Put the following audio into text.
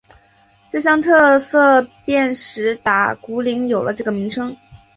这项特色便使打鼓岭有了这个名称。